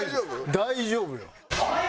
大丈夫よ。